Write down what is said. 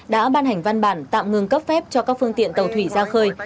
đã ban hành văn bản tạm ngừng cấp phép cho các phương tiện tàu thủy ra khơi